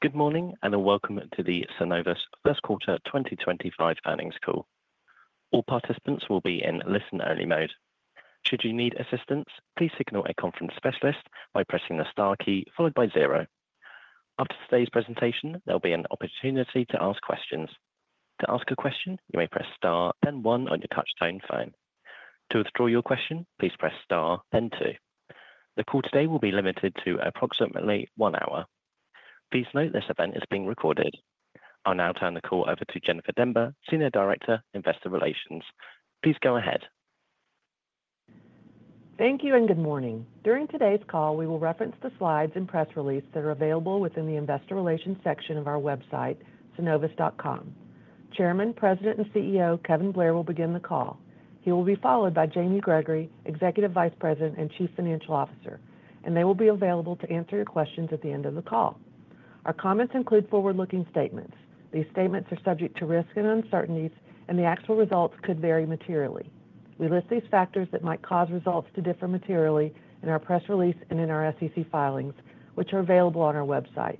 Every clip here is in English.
Good morning and welcome to the Synovus First Quarter 2025 Earnings Call. All participants will be in listen-only mode. Should you need assistance, please signal a conference specialist by pressing the star key followed by zero. After today's presentation, there'll be an opportunity to ask questions. To ask a question, you may press star then one on your touchtone phone. To withdraw your question, please press star then two. The call today will be limited to approximately one hour. Please note this event is being recorded. I'll now turn the call over to Jennifer Demba, Senior Director, Investor Relations. Please go ahead. Thank you and good morning. During today's call, we will reference the slides and press release that are available within the Investor Relations section of our website, synovus.com. Chairman, President, and CEO Kevin Blair will begin the call. He will be followed by Jamie Gregory, Executive Vice President and Chief Financial Officer, and they will be available to answer your questions at the end of the call. Our comments include forward-looking statements. These statements are subject to risk and uncertainties, and the actual results could vary materially. We list these factors that might cause results to differ materially in our press release and in our SEC filings, which are available on our website.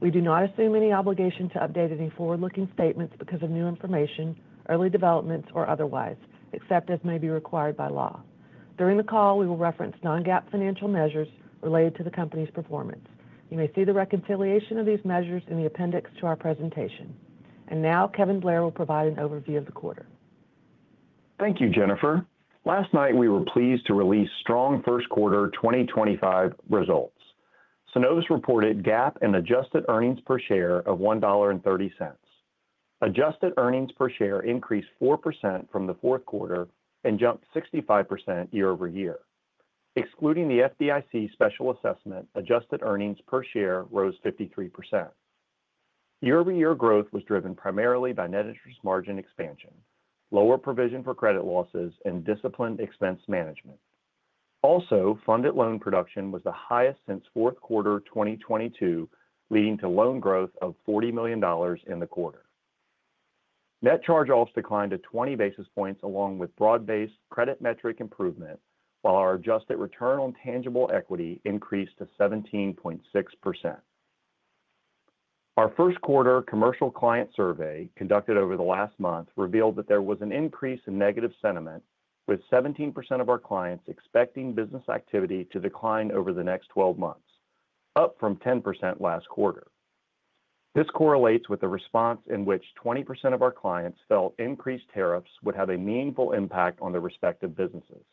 We do not assume any obligation to update any forward-looking statements because of new information, early developments, or otherwise, except as may be required by law. During the call, we will reference non-GAAP financial measures related to the company's performance. You may see the reconciliation of these measures in the appendix to our presentation. Kevin Blair will provide an overview of the quarter. Thank you, Jennifer. Last night, we were pleased to release strong first quarter 2025 results. Synovus reported GAAP and adjusted earnings per share of $1.30. Adjusted earnings per share increased 4% from the fourth quarter and jumped 65% year-over-year. Excluding the FDIC special assessment, adjusted earnings per share rose 53%. Year-over-year growth was driven primarily by net interest margin expansion, lower provision for credit losses, and disciplined expense management. Also, funded loan production was the highest since fourth quarter 2022, leading to loan growth of $40 million in the quarter. Net charge-offs declined to 20 basis points along with broad-based credit metric improvement, while our adjusted return on tangible equity increased to 17.6%. Our first quarter commercial client survey conducted over the last month revealed that there was an increase in negative sentiment, with 17% of our clients expecting business activity to decline over the next 12 months, up from 10% last quarter. This correlates with the response in which 20% of our clients felt increased tariffs would have a meaningful impact on their respective businesses.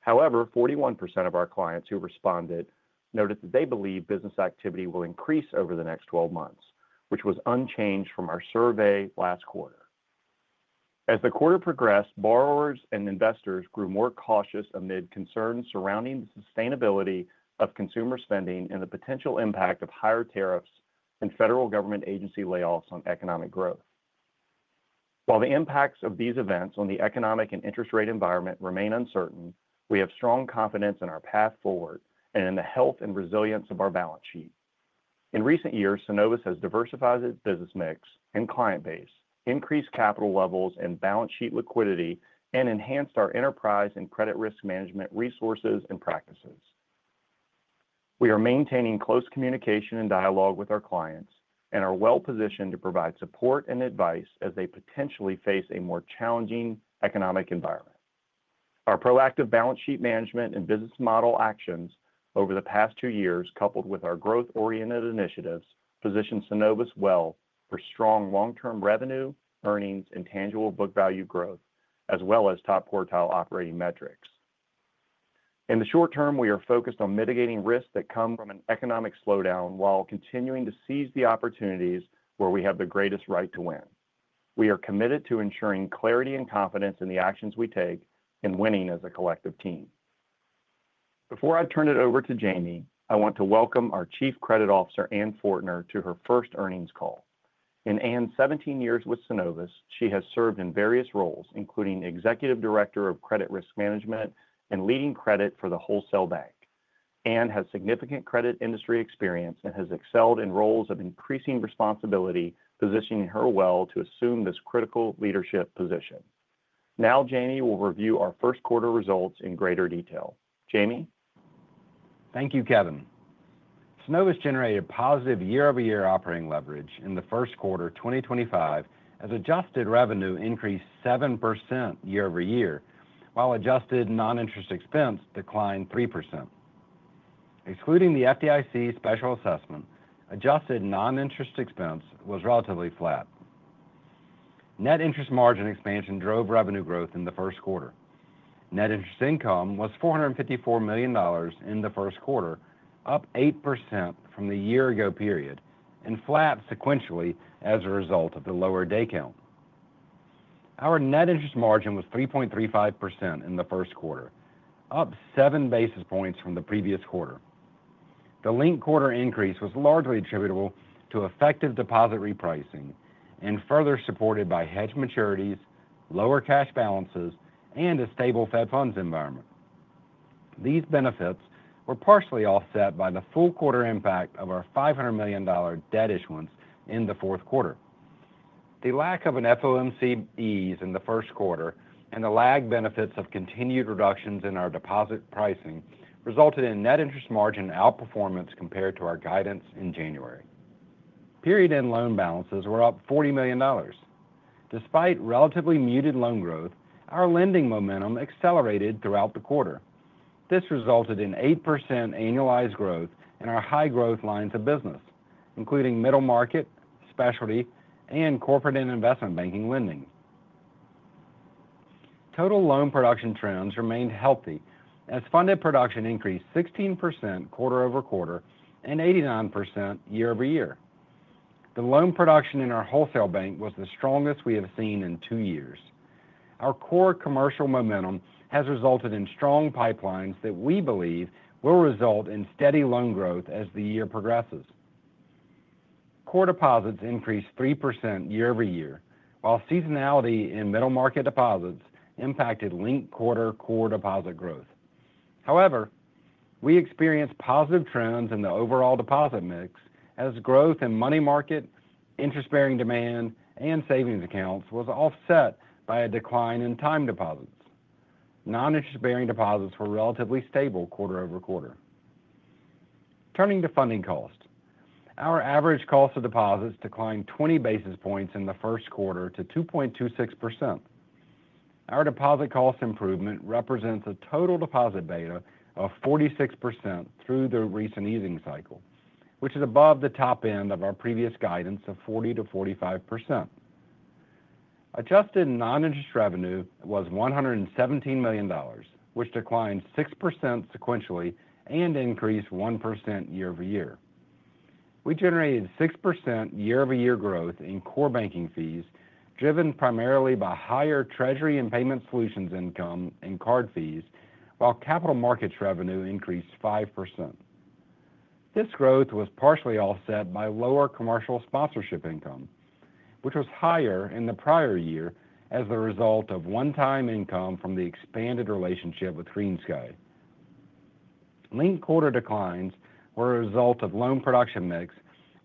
However, 41% of our clients who responded noted that they believe business activity will increase over the next 12 months, which was unchanged from our survey last quarter. As the quarter progressed, borrowers and investors grew more cautious amid concerns surrounding the sustainability of consumer spending and the potential impact of higher tariffs and federal government agency layoffs on economic growth. While the impacts of these events on the economic and interest rate environment remain uncertain, we have strong confidence in our path forward and in the health and resilience of our balance sheet. In recent years, Synovus has diversified its business mix and client base, increased capital levels and balance sheet liquidity, and enhanced our enterprise and credit risk management resources and practices. We are maintaining close communication and dialogue with our clients and are well positioned to provide support and advice as they potentially face a more challenging economic environment. Our proactive balance sheet management and business model actions over the past two years, coupled with our growth-oriented initiatives, position Synovus well for strong long-term revenue, earnings, and tangible book value growth, as well as top quartile operating metrics. In the short term, we are focused on mitigating risks that come from an economic slowdown while continuing to seize the opportunities where we have the greatest right to win. We are committed to ensuring clarity and confidence in the actions we take and winning as a collective team. Before I turn it over to Jamie, I want to welcome our Chief Credit Officer, Anne Fortner, to her first earnings call. In Anne's 17 years with Synovus, she has served in various roles, including Executive Director of Credit Risk Management and leading credit for the Wholesale Bank. Anne has significant credit industry experience and has excelled in roles of increasing responsibility, positioning her well to assume this critical leadership position. Now, Jamie will review our first quarter results in greater detail. Jamie? Thank you, Kevin. Synovus generated positive year-over-year operating leverage in the first quarter 2025 as adjusted revenue increased 7% year-over-year, while adjusted non-interest expense declined 3%. Excluding the FDIC special assessment, adjusted non-interest expense was relatively flat. Net interest margin expansion drove revenue growth in the first quarter. Net interest income was $454 million in the first quarter, up 8% from the year-ago period, and flat sequentially as a result of the lower day count. Our net interest margin was 3.35% in the first quarter, up 7 basis points from the previous quarter. The linked quarter increase was largely attributable to effective deposit repricing and further supported by hedge maturities, lower cash balances, and a stable Fed funds environment. These benefits were partially offset by the full quarter impact of our $500 million debt issuance in the fourth quarter. The lack of an FOMC ease in the first quarter and the lagged benefits of continued reductions in our deposit pricing resulted in net interest margin outperformance compared to our guidance in January. Period-end loan balances were up $40 million. Despite relatively muted loan growth, our lending momentum accelerated throughout the quarter. This resulted in 8% annualized growth in our high-growth lines of business, including middle market, specialty, and corporate and investment banking lending. Total loan production trends remained healthy as funded production increased 16% quarter-over-quarter and 89% year-over-year. The loan production in our Wholesale Bank was the strongest we have seen in two years. Our core commercial momentum has resulted in strong pipelines that we believe will result in steady loan growth as the year progresses. Core deposits increased 3% year-over-year, while seasonality in middle market deposits impacted linked quarter core deposit growth. However, we experienced positive trends in the overall deposit mix as growth in money market, interest-bearing demand, and savings accounts was offset by a decline in time deposits. Non-interest-bearing deposits were relatively stable quarter-over-quarter. Turning to funding costs, our average cost of deposits declined 20 basis points in the first quarter to 2.26%. Our deposit cost improvement represents a total deposit beta of 46% through the recent easing cycle, which is above the top end of our previous guidance of 40%-45%. Adjusted non-interest revenue was $117 million, which declined 6% sequentially and increased 1% year-over-year. We generated 6% year-over-year growth in core banking fees, driven primarily by higher treasury and payment solutions income and card fees, while capital markets revenue increased 5%. This growth was partially offset by lower commercial sponsorship income, which was higher in the prior year as a result of one-time income from the expanded relationship with GreenSky. Linked quarter declines were a result of loan production mix,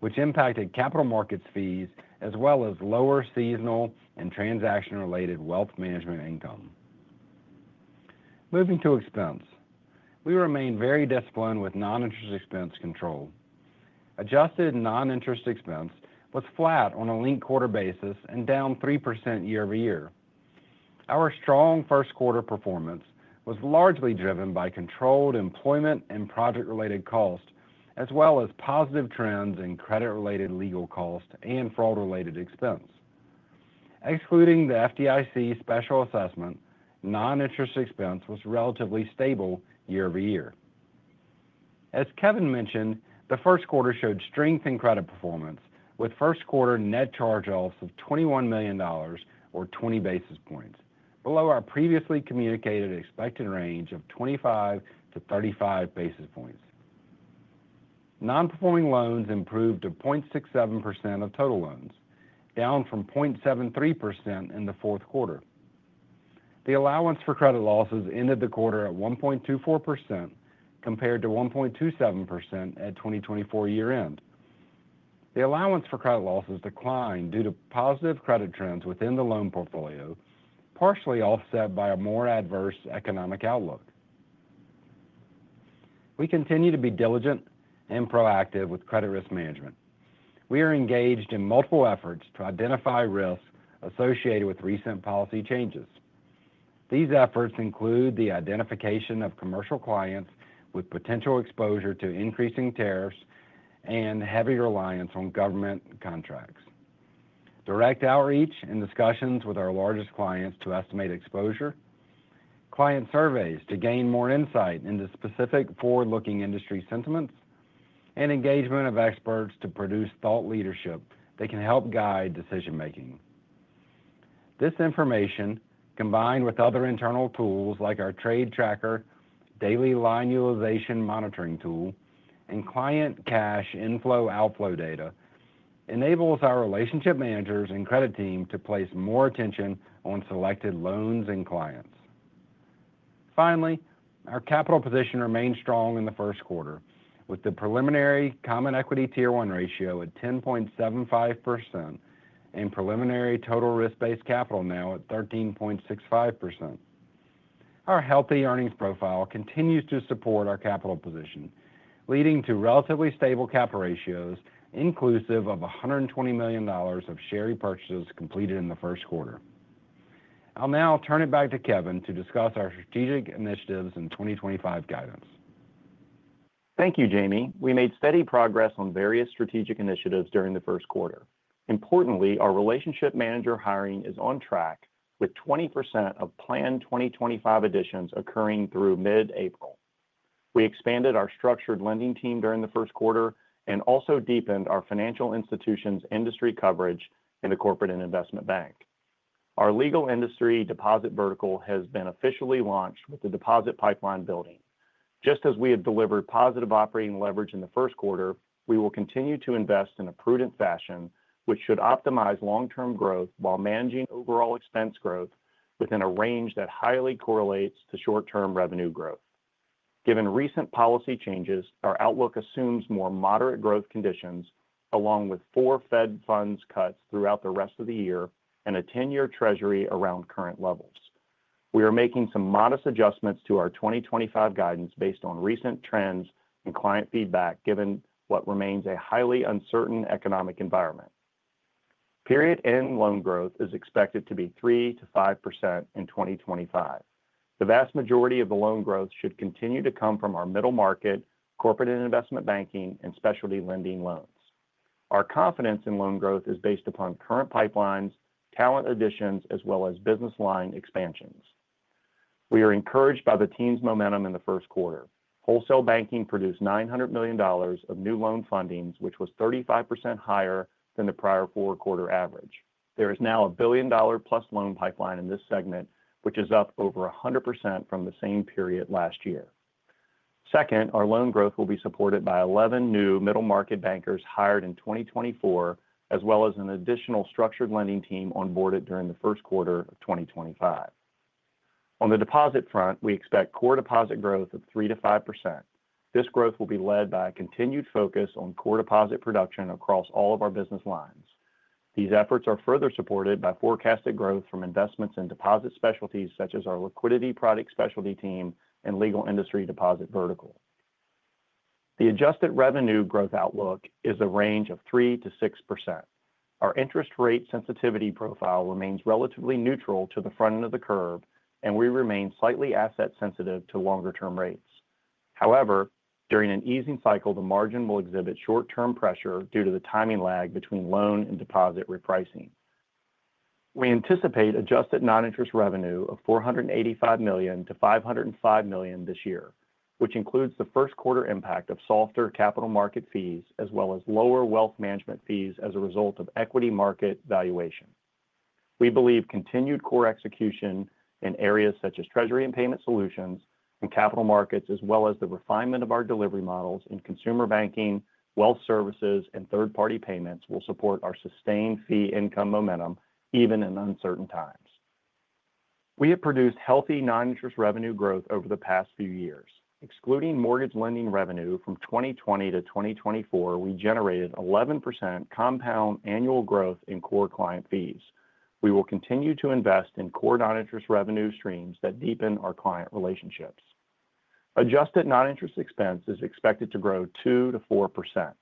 which impacted capital markets fees as well as lower seasonal and transaction-related wealth management income. Moving to expense, we remained very disciplined with non-interest expense control. Adjusted non-interest expense was flat on a linked quarter basis and down 3% year-over-year. Our strong first quarter performance was largely driven by controlled employment and project-related costs, as well as positive trends in credit-related legal costs and fraud-related expense. Excluding the FDIC special assessment, non-interest expense was relatively stable year-over-year. As Kevin mentioned, the first quarter showed strength in credit performance, with first quarter net charge-offs of $21 million, or 20 basis points, below our previously communicated expected range of 25-35 basis points. Non-performing loans improved to 0.67% of total loans, down from 0.73% in the fourth quarter. The allowance for credit losses ended the quarter at 1.24% compared to 1.27% at 2024 year-end. The allowance for credit losses declined due to positive credit trends within the loan portfolio, partially offset by a more adverse economic outlook. We continue to be diligent and proactive with credit risk management. We are engaged in multiple efforts to identify risks associated with recent policy changes. These efforts include the identification of commercial clients with potential exposure to increasing tariffs and heavy reliance on government contracts, direct outreach and discussions with our largest clients to estimate exposure, client surveys to gain more insight into specific forward-looking industry sentiments, and engagement of experts to produce thought leadership that can help guide decision-making. This information, combined with other internal tools like our trade tracker, daily line utilization monitoring tool, and client cash inflow/outflow data, enables our relationship managers and credit team to place more attention on selected loans and clients. Finally, our capital position remained strong in the first quarter, with the preliminary common equity Tier 1 ratio at 10.75% and preliminary total risk-based capital now at 13.65%. Our healthy earnings profile continues to support our capital position, leading to relatively stable cap ratios, inclusive of $120 million of share repurchases completed in the first quarter. I'll now turn it back to Kevin to discuss our strategic initiatives and 2025 guidance. Thank you, Jamie. We made steady progress on various strategic initiatives during the first quarter. Importantly, our relationship manager hiring is on track, with 20% of planned 2025 additions occurring through mid-April. We expanded our structured lending team during the first quarter and also deepened our financial institutions industry coverage in the corporate and investment bank. Our legal industry deposit vertical has been officially launched with the deposit pipeline building. Just as we have delivered positive operating leverage in the first quarter, we will continue to invest in a prudent fashion, which should optimize long-term growth while managing overall expense growth within a range that highly correlates to short-term revenue growth. Given recent policy changes, our outlook assumes more moderate growth conditions, along with four Fed funds cuts throughout the rest of the year and a 10-year treasury around current levels. We are making some modest adjustments to our 2025 guidance based on recent trends and client feedback, given what remains a highly uncertain economic environment. Period-end loan growth is expected to be 3%-5% in 2025. The vast majority of the loan growth should continue to come from our middle market, corporate and investment banking, and specialty lending loans. Our confidence in loan growth is based upon current pipelines, talent additions, as well as business line expansions. We are encouraged by the team's momentum in the first quarter. Wholesale banking produced $900 million of new loan funding, which was 35% higher than the prior four-quarter average. There is now a billion-dollar-plus loan pipeline in this segment, which is up over 100% from the same period last year. Second, our loan growth will be supported by 11 new middle market bankers hired in 2024, as well as an additional structured lending team onboarded during the first quarter of 2025. On the deposit front, we expect core deposit growth of 3%-5%. This growth will be led by a continued focus on core deposit production across all of our business lines. These efforts are further supported by forecasted growth from investments in deposit specialties such as our liquidity product specialty team and legal industry deposit vertical. The adjusted revenue growth outlook is a range of 3%-6%. Our interest rate sensitivity profile remains relatively neutral to the front end of the curve, and we remain slightly asset-sensitive to longer-term rates. However, during an easing cycle, the margin will exhibit short-term pressure due to the timing lag between loan and deposit repricing. We anticipate adjusted non-interest revenue of $485 million-$505 million this year, which includes the first quarter impact of softer capital market fees as well as lower wealth management fees as a result of equity market valuation. We believe continued core execution in areas such as treasury and payment solutions and capital markets, as well as the refinement of our delivery models in consumer banking, wealth services, and third-party payments, will support our sustained fee income momentum even in uncertain times. We have produced healthy non-interest revenue growth over the past few years. Excluding mortgage lending revenue from 2020 to 2024, we generated 11% compound annual growth in core client fees. We will continue to invest in core non-interest revenue streams that deepen our client relationships. Adjusted non-interest expense is expected to grow 2%-4%.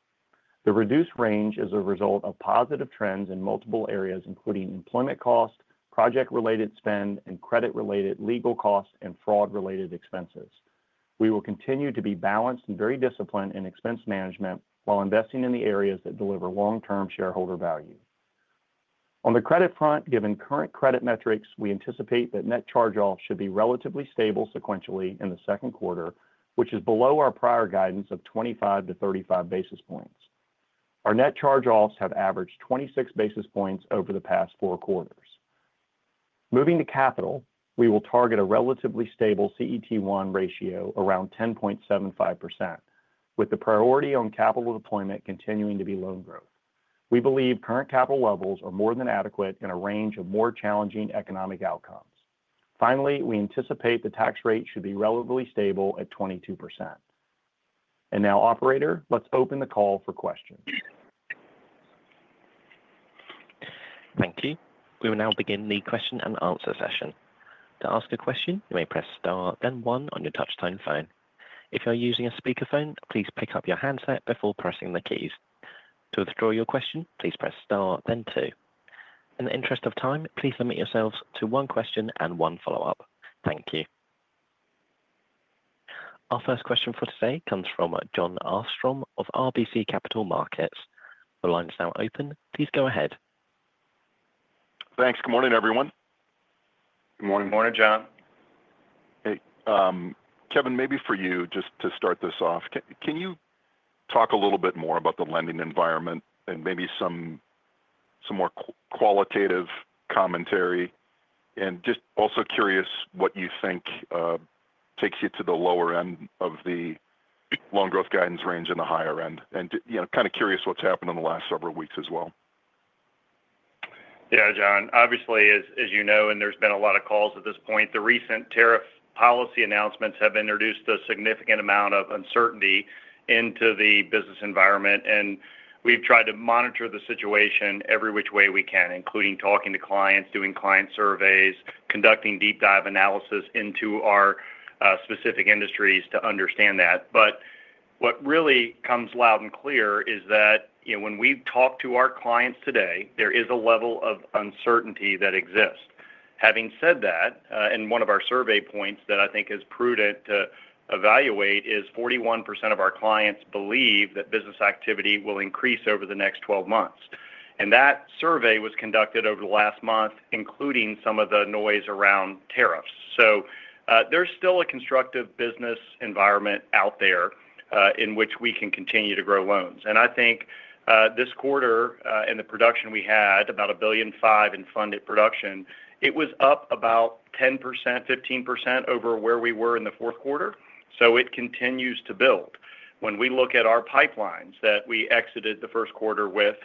The reduced range is a result of positive trends in multiple areas, including employment costs, project-related spend, and credit-related legal costs and fraud-related expenses. We will continue to be balanced and very disciplined in expense management while investing in the areas that deliver long-term shareholder value. On the credit front, given current credit metrics, we anticipate that net charge-offs should be relatively stable sequentially in the second quarter, which is below our prior guidance of 25-35 basis points. Our net charge-offs have averaged 26 basis points over the past four quarters. Moving to capital, we will target a relatively stable CET1 ratio around 10.75%, with the priority on capital deployment continuing to be loan growth. We believe current capital levels are more than adequate in a range of more challenging economic outcomes. Finally, we anticipate the tax rate should be relatively stable at 22%. Operator, let's open the call for questions. Thank you. We will now begin the question and answer session. To ask a question, you may press Star, then one on your touch-tone phone. If you're using a speakerphone, please pick up your handset before pressing the keys. To withdraw your question, please press Star, then two. In the interest of time, please limit yourselves to one question and one follow-up. Thank you. Our first question for today comes from Jon Arfstrom of RBC Capital Markets. The line is now open. Please go ahead. Thanks. Good morning, everyone. Good morning. Good morning, Jon. Hey, Kevin, maybe for you, just to start this off, can you talk a little bit more about the lending environment and maybe some more qualitative commentary? I am just also curious what you think takes you to the lower end of the loan growth guidance range and the higher end. I am kind of curious what has happened in the last several weeks as well. Yeah, Jon, obviously, as you know, and there's been a lot of calls at this point, the recent tariff policy announcements have introduced a significant amount of uncertainty into the business environment. We've tried to monitor the situation every which way we can, including talking to clients, doing client surveys, conducting deep-dive analysis into our specific industries to understand that. What really comes loud and clear is that when we talk to our clients today, there is a level of uncertainty that exists. Having said that, one of our survey points that I think is prudent to evaluate is 41% of our clients believe that business activity will increase over the next 12 months. That survey was conducted over the last month, including some of the noise around tariffs. There is still a constructive business environment out there in which we can continue to grow loans. I think this quarter and the production we had, about $1.5 billion in funded production, it was up about 10%-15% over where we were in the fourth quarter. It continues to build. When we look at our pipelines that we exited the first quarter with,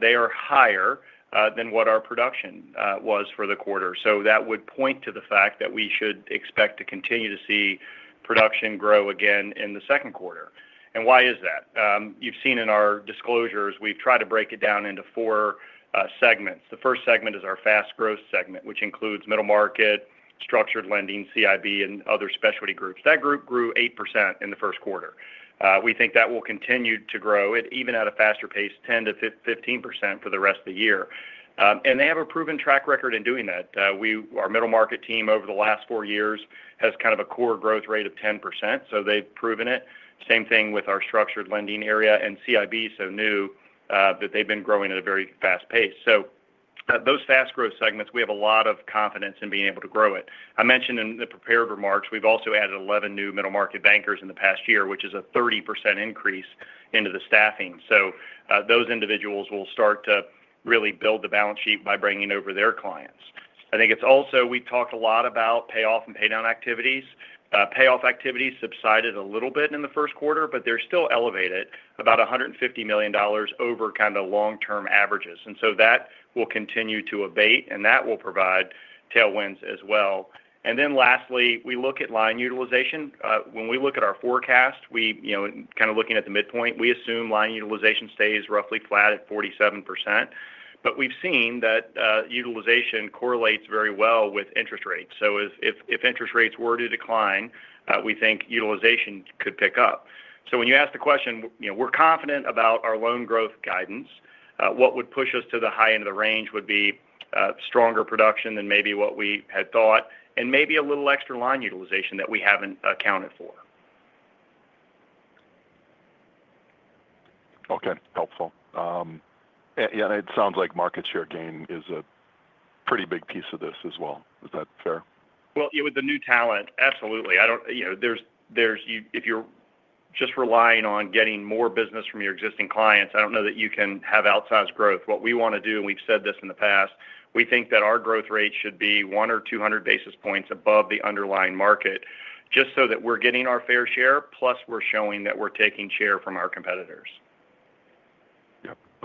they are higher than what our production was for the quarter. That would point to the fact that we should expect to continue to see production grow again in the second quarter. Why is that? You have seen in our disclosures, we have tried to break it down into four segments. The first segment is our fast-growth segment, which includes middle market, structured lending, CIB, and other specialty groups. That group grew 8% in the first quarter. We think that will continue to grow, even at a faster pace, 10%-15% for the rest of the year. They have a proven track record in doing that. Our middle market team over the last four years has kind of a core growth rate of 10%, so they've proven it. Same thing with our structured lending area and CIB, so new that they've been growing at a very fast pace. Those fast-growth segments, we have a lot of confidence in being able to grow it. I mentioned in the prepared remarks, we've also added 11 new middle market bankers in the past year, which is a 30% increase into the staffing. Those individuals will start to really build the balance sheet by bringing over their clients. I think it's also we've talked a lot about payoff and paydown activities. Payoff activities subsided a little bit in the first quarter, but they're still elevated, about $150 million over kind of long-term averages. That will continue to abate, and that will provide tailwinds as well. Lastly, we look at line utilization. When we look at our forecast, kind of looking at the midpoint, we assume line utilization stays roughly flat at 47%. We have seen that utilization correlates very well with interest rates. If interest rates were to decline, we think utilization could pick up. When you ask the question, we are confident about our loan growth guidance. What would push us to the high end of the range would be stronger production than maybe what we had thought, and maybe a little extra line utilization that we have not accounted for. Okay. Helpful. Yeah, and it sounds like market share gain is a pretty big piece of this as well. Is that fair? If you're just relying on getting more business from your existing clients, I don't know that you can have outsized growth. What we want to do, and we've said this in the past, we think that our growth rate should be 100 or 200 basis points above the underlying market, just so that we're getting our fair share, plus we're showing that we're taking share from our competitors.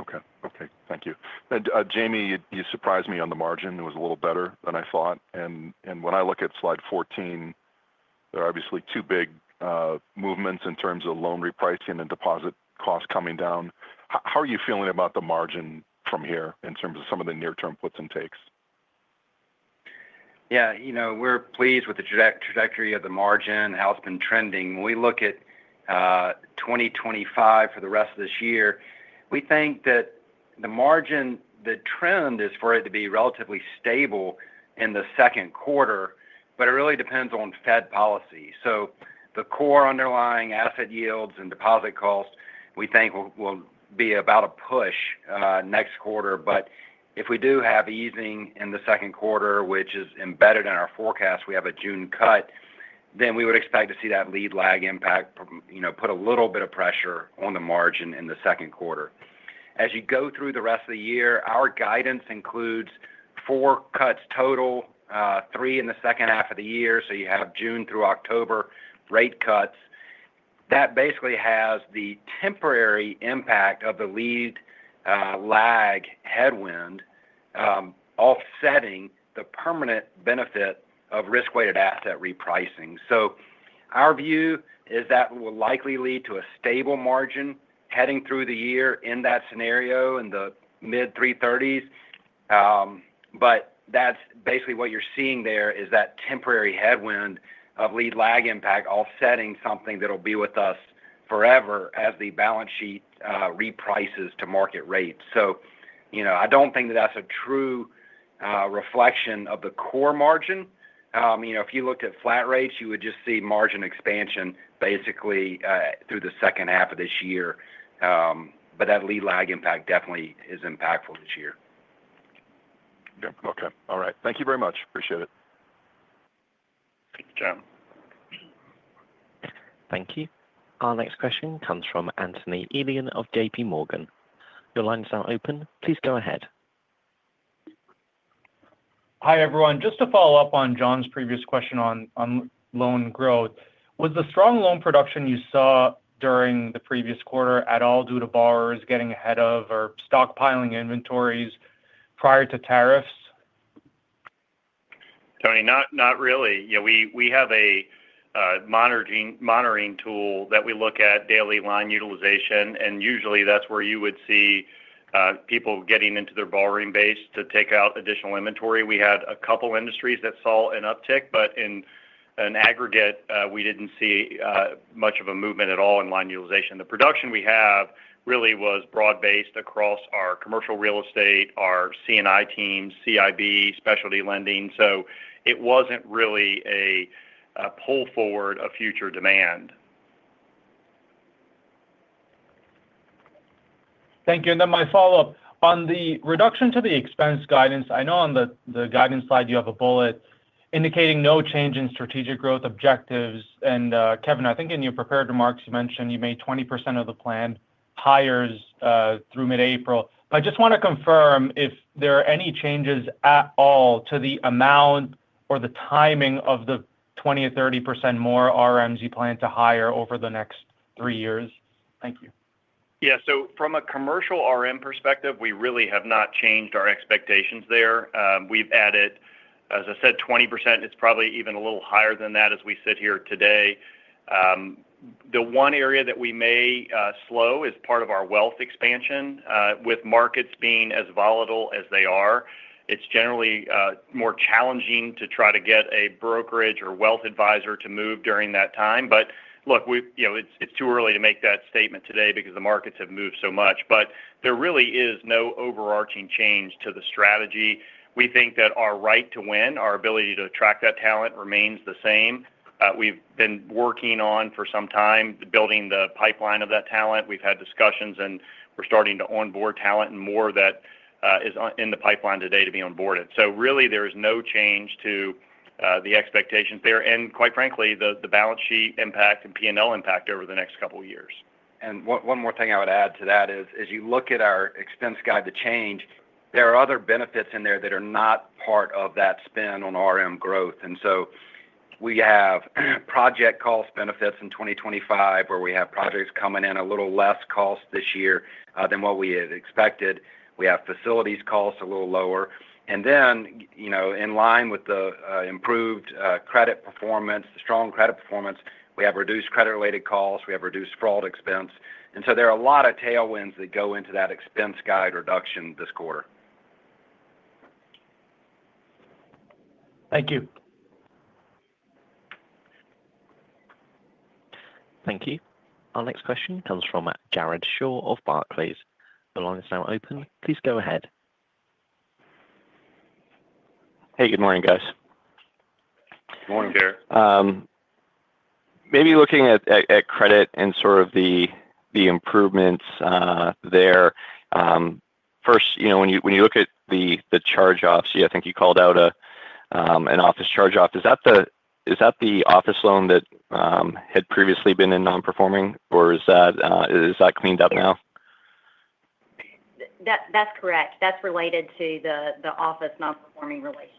Okay. Thank you. Jamie, you surprised me on the margin. It was a little better than I thought. When I look at slide 14, there are obviously two big movements in terms of loan repricing and deposit costs coming down. How are you feeling about the margin from here in terms of some of the near-term puts and takes? Yeah, we're pleased with the trajectory of the margin, how it's been trending. When we look at 2025 for the rest of this year, we think that the margin, the trend is for it to be relatively stable in the second quarter. It really depends on Fed policy. The core underlying asset yields and deposit costs, we think will be about a push next quarter. If we do have easing in the second quarter, which is embedded in our forecast, we have a June cut, then we would expect to see that lead lag impact put a little bit of pressure on the margin in the second quarter. As you go through the rest of the year, our guidance includes four cuts total, three in the second half of the year. You have June through October rate cuts. That basically has the temporary impact of the lead lag headwind offsetting the permanent benefit of risk-weighted asset repricing. Our view is that will likely lead to a stable margin heading through the year in that scenario in the mid-330s. What you are seeing there is that temporary headwind of lead lag impact offsetting something that will be with us forever as the balance sheet reprices to market rates. I do not think that is a true reflection of the core margin. If you looked at flat rates, you would just see margin expansion basically through the second half of this year. That lead lag impact definitely is impactful this year. Yeah. Okay. All right. Thank you very much. Appreciate it. Thank you, Jon. Thank you. Our next question comes from Anthony Elian of JPMorgan. Your lines are open. Please go ahead. Hi, everyone. Just to follow up on Jon's previous question on loan growth, was the strong loan production you saw during the previous quarter at all due to borrowers getting ahead of or stockpiling inventories prior to tariffs? Tony, not really. We have a monitoring tool that we look at daily line utilization. Usually, that's where you would see people getting into their borrowing base to take out additional inventory. We had a couple of industries that saw an uptick, but in aggregate, we didn't see much of a movement at all in line utilization. The production we have really was broad-based across our commercial real estate, our C&I teams, CIB, specialty lending. It wasn't really a pull forward of future demand. Thank you. My follow-up on the reduction to the expense guidance. I know on the guidance slide, you have a bullet indicating no change in strategic growth objectives. Kevin, I think in your prepared remarks, you mentioned you made 20% of the planned hires through mid-April. I just want to confirm if there are any changes at all to the amount or the timing of the 20% or 30% more RMs you plan to hire over the next three years. Thank you. Yeah. From a commercial RM perspective, we really have not changed our expectations there. We've added, as I said, 20%. It's probably even a little higher than that as we sit here today. The one area that we may slow is part of our wealth expansion. With markets being as volatile as they are, it's generally more challenging to try to get a brokerage or wealth advisor to move during that time. Look, it's too early to make that statement today because the markets have moved so much. There really is no overarching change to the strategy. We think that our right to win, our ability to attract that talent remains the same. We've been working on for some time building the pipeline of that talent. We've had discussions, and we're starting to onboard talent and more that is in the pipeline today to be onboarded. There is no change to the expectations there. Quite frankly, the balance sheet impact and P&L impact over the next couple of years. One more thing I would add to that is, as you look at our expense guide to change, there are other benefits in there that are not part of that spend on RM growth. We have project cost benefits in 2025 where we have projects coming in at a little less cost this year than what we had expected. We have facilities costs a little lower. In line with the improved credit performance, the strong credit performance, we have reduced credit-related costs. We have reduced fraud expense. There are a lot of tailwinds that go into that expense guide reduction this quarter. Thank you. Thank you. Our next question comes from Jared Shaw of Barclays. The line is now open. Please go ahead. Hey, good morning, guys. Good morning, Jared. Maybe looking at credit and sort of the improvements there. First, when you look at the charge-offs, I think you called out an office charge-off. Is that the office loan that had previously been in non-performing, or is that cleaned up now? That's correct. That's related to the office non-performing relationship.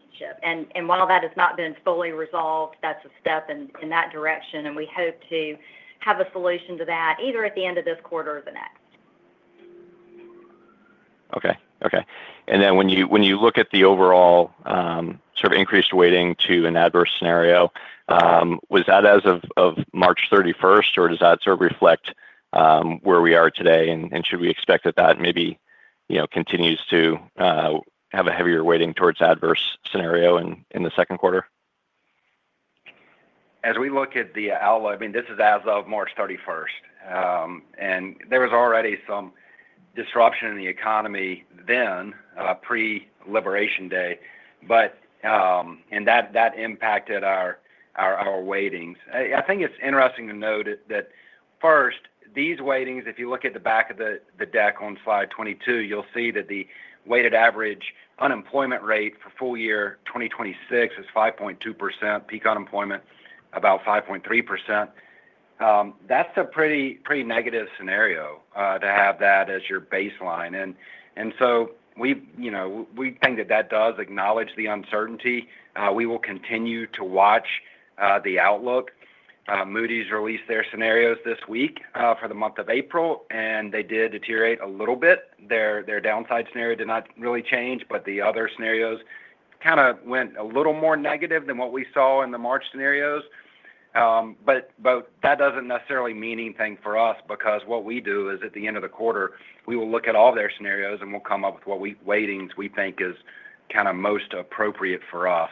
While that has not been fully resolved, that's a step in that direction. We hope to have a solution to that either at the end of this quarter or the next. Okay. Okay. When you look at the overall sort of increased weighting to an adverse scenario, was that as of March 31, or does that sort of reflect where we are today? Should we expect that that maybe continues to have a heavier weighting towards adverse scenario in the second quarter? As we look at the outlook, I mean, this is as of March 31. There was already some disruption in the economy then pre-liberation day. That impacted our weightings. I think it's interesting to note that first, these weightings, if you look at the back of the deck on slide 22, you'll see that the weighted average unemployment rate for full year 2026 is 5.2%, peak unemployment about 5.3%. That's a pretty negative scenario to have that as your baseline. We think that does acknowledge the uncertainty. We will continue to watch the outlook. Moody's released their scenarios this week for the month of April, and they did deteriorate a little bit. Their downside scenario did not really change, but the other scenarios kind of went a little more negative than what we saw in the March scenarios. That does not necessarily mean anything for us because what we do is at the end of the quarter, we will look at all their scenarios and we will come up with what weightings we think is kind of most appropriate for us.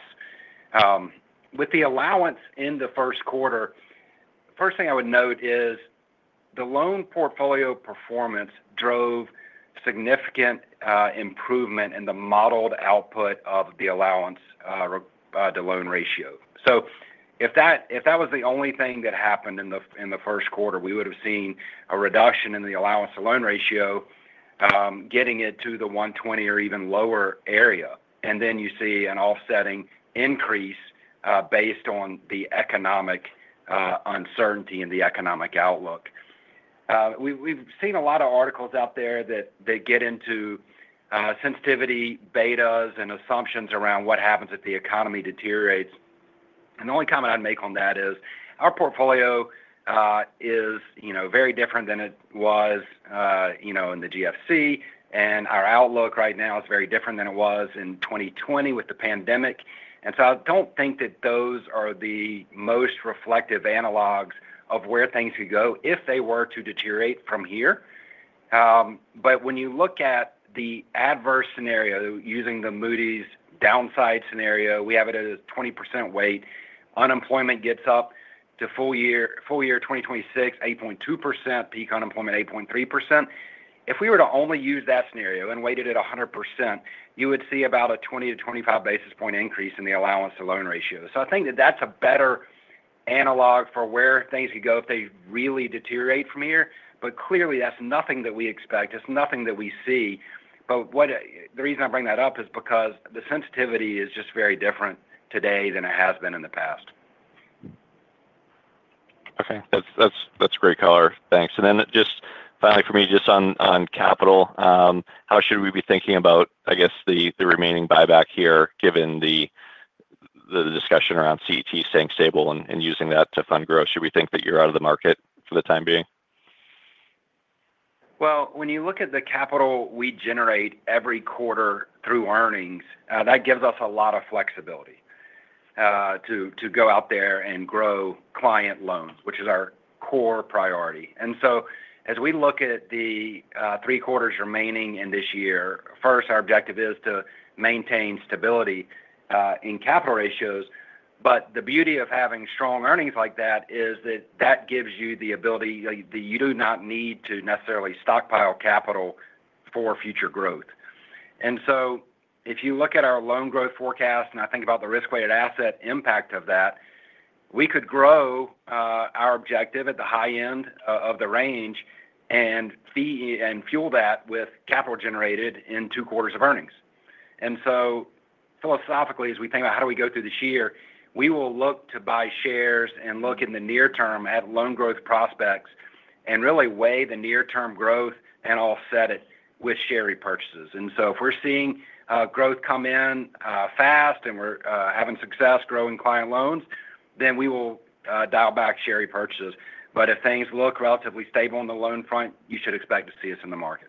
With the allowance in the first quarter, first thing I would note is the loan portfolio performance drove significant improvement in the modeled output of the allowance to loan ratio. If that was the only thing that happened in the first quarter, we would have seen a reduction in the allowance to loan ratio, getting it to the 120 or even lower area. You see an offsetting increase based on the economic uncertainty and the economic outlook. We have seen a lot of articles out there that get into sensitivity betas and assumptions around what happens if the economy deteriorates. The only comment I'd make on that is our portfolio is very different than it was in the GFC. Our outlook right now is very different than it was in 2020 with the pandemic. I don't think that those are the most reflective analogs of where things could go if they were to deteriorate from here. When you look at the adverse scenario using the Moody's downside scenario, we have it at a 20% weight. Unemployment gets up to full year 2026, 8.2%, peak unemployment 8.3%. If we were to only use that scenario and weighted it 100%, you would see about a 20-25 basis point increase in the allowance to loan ratio. I think that that's a better analog for where things could go if they really deteriorate from here. Clearly, that's nothing that we expect. It's nothing that we see. The reason I bring that up is because the sensitivity is just very different today than it has been in the past. Okay. That's great color. Thanks. Finally for me, just on capital, how should we be thinking about, I guess, the remaining buyback here given the discussion around CET1 staying stable and using that to fund growth? Should we think that you're out of the market for the time being? When you look at the capital we generate every quarter through earnings, that gives us a lot of flexibility to go out there and grow client loans, which is our core priority. As we look at the three quarters remaining in this year, first, our objective is to maintain stability in capital ratios. The beauty of having strong earnings like that is that gives you the ability that you do not need to necessarily stockpile capital for future growth. If you look at our loan growth forecast and I think about the risk-weighted asset impact of that, we could grow our objective at the high end of the range and fuel that with capital generated in two quarters of earnings. Philosophically, as we think about how do we go through this year, we will look to buy shares and look in the near term at loan growth prospects and really weigh the near-term growth and offset it with share purchases. If we're seeing growth come in fast and we're having success growing client loans, then we will dial back share purchases. If things look relatively stable on the loan front, you should expect to see us in the market.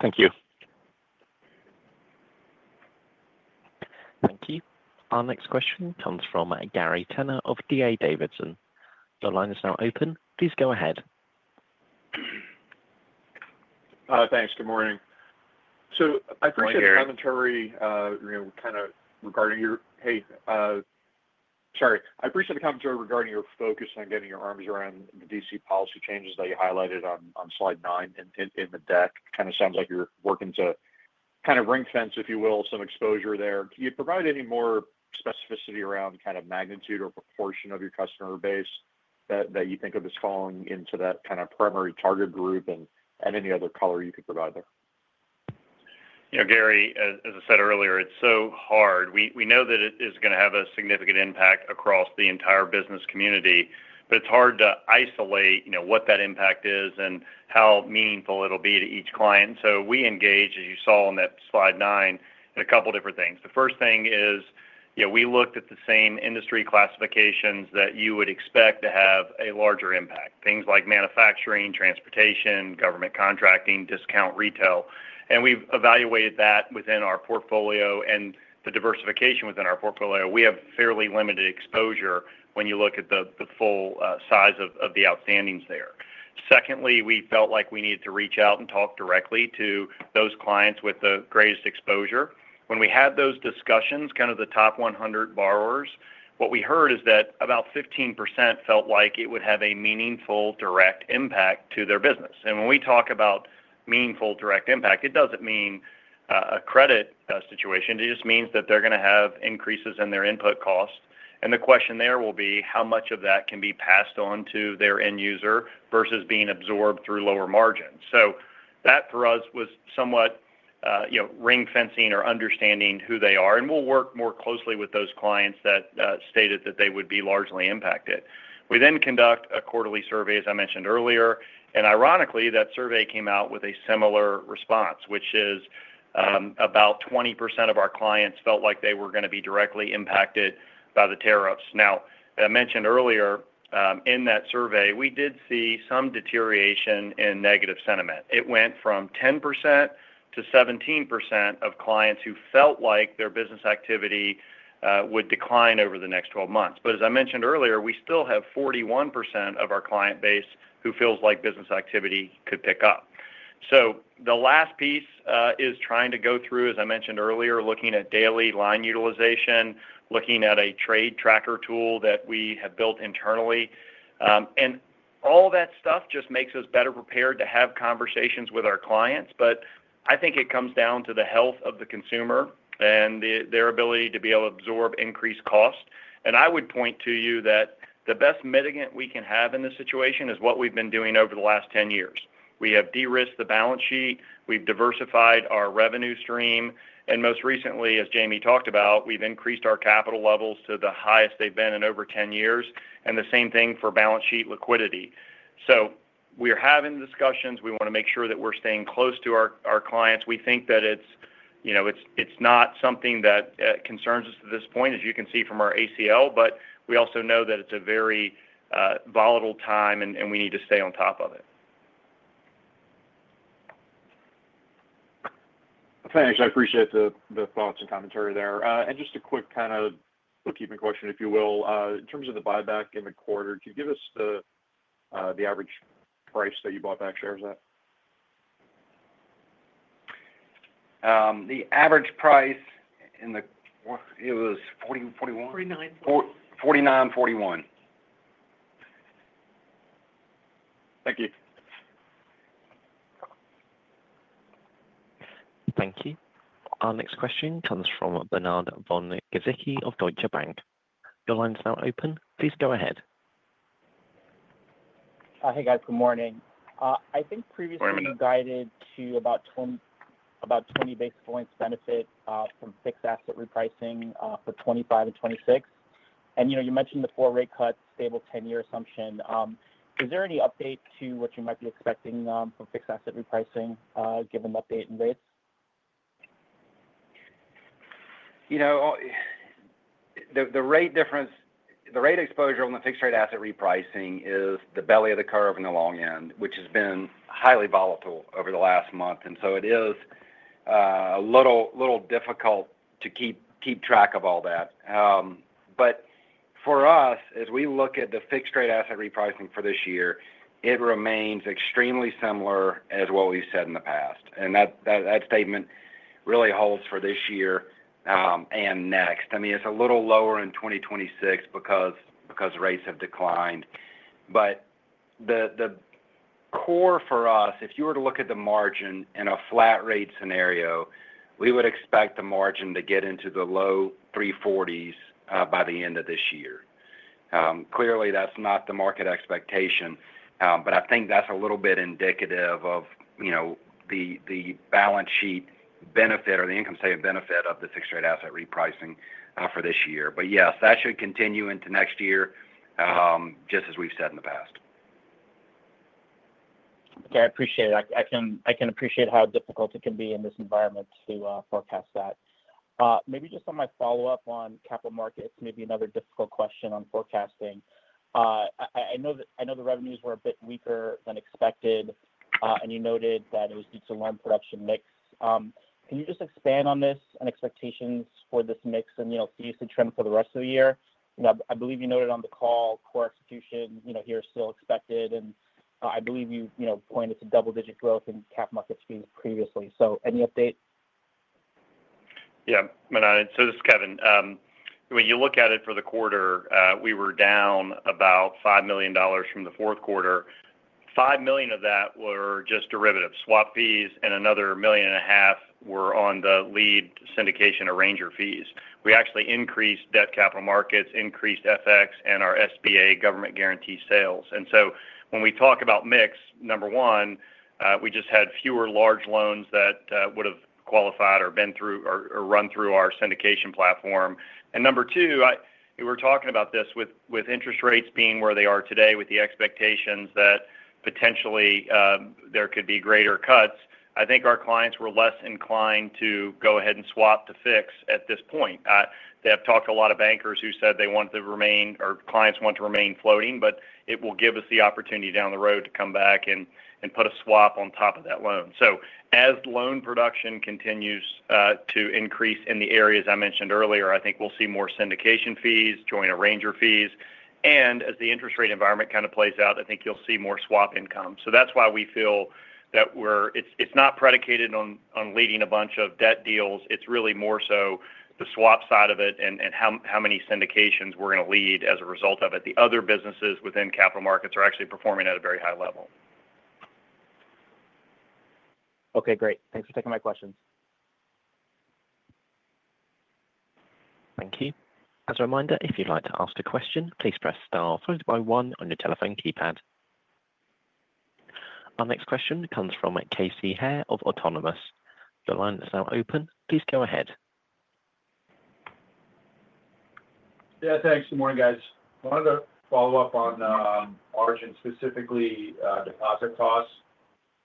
Thank you. Thank you. Our next question comes from Gary Tenner of D.A. Davidson. The line is now open. Please go ahead. Thanks. Good morning. I appreciate the commentary regarding your focus on getting your arms around the DC policy changes that you highlighted on slide nine in the deck. Kind of sounds like you're working to kind of ring-fence, if you will, some exposure there. Can you provide any more specificity around kind of magnitude or proportion of your customer base that you think of as falling into that kind of primary target group and any other color you could provide there? Gary, as I said earlier, it's so hard. We know that it is going to have a significant impact across the entire business community, but it's hard to isolate what that impact is and how meaningful it'll be to each client. We engage, as you saw on that slide nine, in a couple of different things. The first thing is we looked at the same industry classifications that you would expect to have a larger impact, things like manufacturing, transportation, government contracting, discount retail. We've evaluated that within our portfolio and the diversification within our portfolio. We have fairly limited exposure when you look at the full size of the outstandings there. Secondly, we felt like we needed to reach out and talk directly to those clients with the greatest exposure. When we had those discussions, kind of the top 100 borrowers, what we heard is that about 15% felt like it would have a meaningful direct impact to their business. When we talk about meaningful direct impact, it does not mean a credit situation. It just means that they are going to have increases in their input costs. The question there will be how much of that can be passed on to their end user versus being absorbed through lower margins. That for us was somewhat ring-fencing or understanding who they are. We will work more closely with those clients that stated that they would be largely impacted. We then conduct a quarterly survey, as I mentioned earlier. Ironically, that survey came out with a similar response, which is about 20% of our clients felt like they were going to be directly impacted by the tariffs. Now, as I mentioned earlier, in that survey, we did see some deterioration in negative sentiment. It went from 10% to 17% of clients who felt like their business activity would decline over the next 12 months. As I mentioned earlier, we still have 41% of our client base who feels like business activity could pick up. The last piece is trying to go through, as I mentioned earlier, looking at daily line utilization, looking at a trade tracker tool that we have built internally. All that stuff just makes us better prepared to have conversations with our clients. I think it comes down to the health of the consumer and their ability to be able to absorb increased cost. I would point to you that the best mitigant we can have in this situation is what we've been doing over the last 10 years. We have de-risked the balance sheet. We've diversified our revenue stream. Most recently, as Jamie talked about, we've increased our capital levels to the highest they've been in over 10 years. The same thing for balance sheet liquidity. We're having discussions. We want to make sure that we're staying close to our clients. We think that it's not something that concerns us at this point, as you can see from our ACL, but we also know that it's a very volatile time, and we need to stay on top of it. Thanks. I appreciate the thoughts and commentary there. Just a quick kind of keeping question, if you will, in terms of the buyback in the quarter, could you give us the average price that you bought back shares at? The average price in the—it was 40, 41? 49. 49, 41. Thank you. Thank you. Our next question comes from Bernard Von Gizycki of Deutsche Bank. The line is now open. Please go ahead. Hey, guys. Good morning. I think previously you guided to about 20 basis points benefit from fixed asset repricing for 2025 and 2026. You mentioned the four rate cut stable 10-year assumption. Is there any update to what you might be expecting from fixed asset repricing given the update in rates? The rate exposure on the fixed rate asset repricing is the belly of the curve in the long end, which has been highly volatile over the last month. It is a little difficult to keep track of all that. For us, as we look at the fixed rate asset repricing for this year, it remains extremely similar as what we've said in the past. That statement really holds for this year and next. I mean, it's a little lower in 2026 because rates have declined. The core for us, if you were to look at the margin in a flat rate scenario, we would expect the margin to get into the low 340s by the end of this year. Clearly, that's not the market expectation. I think that's a little bit indicative of the balance sheet benefit or the income statement benefit of the fixed rate asset repricing for this year. Yes, that should continue into next year, just as we've said in the past. Okay, I appreciate it. I can appreciate how difficult it can be in this environment to forecast that. Maybe just on my follow-up on capital markets, maybe another difficult question on forecasting. I know the revenues were a bit weaker than expected, and you noted that it was due to loan production mix. Can you just expand on this and expectations for this mix and the trend for the rest of the year? I believe you noted on the call, core execution here is still expected. I believe you pointed to double-digit growth in cap markets previously. Any update? Yeah. This is Kevin. When you look at it for the quarter, we were down about $5 million from the fourth quarter. $5 million of that were just derivatives, swap fees, and another $1.5 million were on the lead syndication arranger fees. We actually increased debt capital markets, increased FX, and our SBA government guarantee sales. When we talk about mix, number one, we just had fewer large loans that would have qualified or run through our syndication platform. Number two, we were talking about this with interest rates being where they are today, with the expectations that potentially there could be greater cuts. I think our clients were less inclined to go ahead and swap to fix at this point. They have talked to a lot of bankers who said they want to remain or clients want to remain floating, but it will give us the opportunity down the road to come back and put a swap on top of that loan. As loan production continues to increase in the areas I mentioned earlier, I think we'll see more syndication fees join arranger fees. As the interest rate environment kind of plays out, I think you'll see more swap income. That is why we feel that it's not predicated on leading a bunch of debt deals. It's really more so the swap side of it and how many syndications we're going to lead as a result of it. The other businesses within capital markets are actually performing at a very high level. Okay. Great. Thanks for taking my questions. Thank you. As a reminder, if you'd like to ask a question, please press star followed by one on your telephone keypad. Our next question comes from Casey Haire of Autonomous. The line is now open. Please go ahead. Yeah. Thanks. Good morning, guys. I wanted to follow up on margin, specifically deposit costs.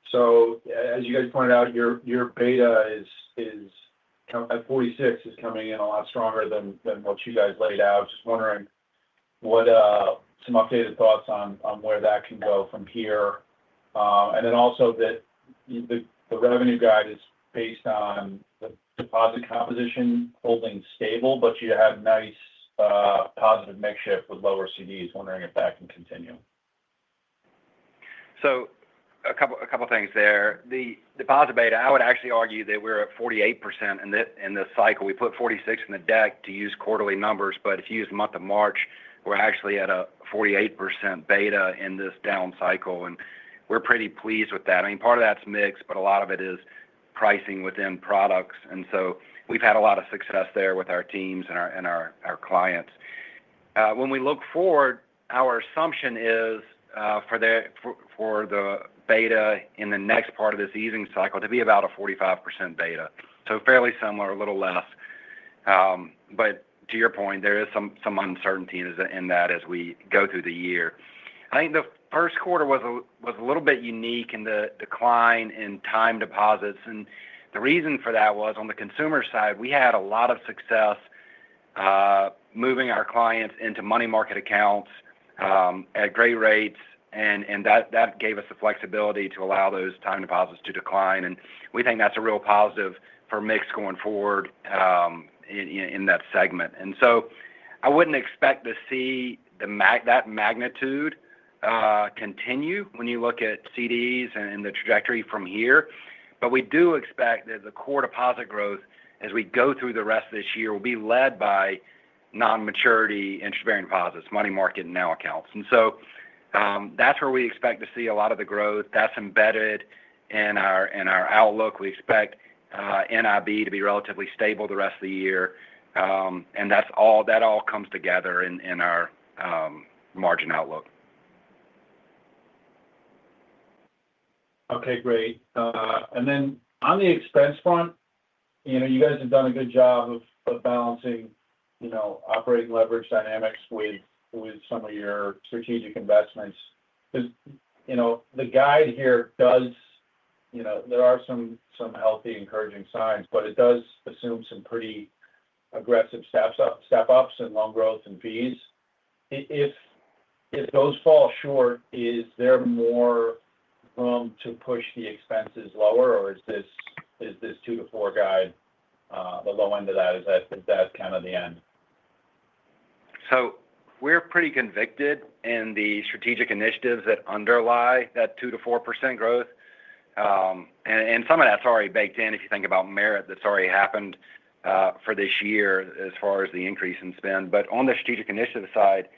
As you guys pointed out, your beta is at 46, is coming in a lot stronger than what you guys laid out. Just wondering what some updated thoughts on where that can go from here. Also, the revenue guide is based on the deposit composition holding stable, but you have nice positive makeshift with lower CDs. Wondering if that can continue. A couple of things there. The deposit beta, I would actually argue that we're at 48% in this cycle. We put 46% in the deck to use quarterly numbers, but if you use month of March, we're actually at a 48% beta in this down cycle. We're pretty pleased with that. I mean, part of that's mix, but a lot of it is pricing within products. We've had a lot of success there with our teams and our clients. When we look forward, our assumption is for the beta in the next part of this easing cycle to be about a 45% beta. Fairly similar, a little less. To your point, there is some uncertainty in that as we go through the year. I think the first quarter was a little bit unique in the decline in time deposits. The reason for that was on the consumer side, we had a lot of success moving our clients into money market accounts at great rates. That gave us the flexibility to allow those time deposits to decline. We think that is a real positive for mix going forward in that segment. I would not expect to see that magnitude continue when you look at CDs and the trajectory from here. We do expect that the core deposit growth, as we go through the rest of this year, will be led by non-maturity interest-bearing deposits, money market now accounts. That is where we expect to see a lot of the growth. That is embedded in our outlook. We expect NIB to be relatively stable the rest of the year. That all comes together in our margin outlook. Okay. Great. On the expense front, you guys have done a good job of balancing operating leverage dynamics with some of your strategic investments. The guide here does—there are some healthy, encouraging signs, but it does assume some pretty aggressive step-ups in loan growth and fees. If those fall short, is there more room to push the expenses lower, or is this two to four guide the low end of that? Is that kind of the end? We're pretty convicted in the strategic initiatives that underlie that 2-4% growth. Some of that's already baked in if you think about merit that's already happened for this year as far as the increase in spend. On the strategic initiative side,